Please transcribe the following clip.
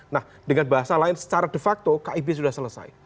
nah dengan bahasa lain secara de facto kib sudah selesai